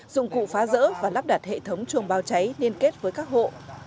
dụng cụ phá rỡ và lắp đặt hệ thống chuồng bao cháy liên kết với các hộ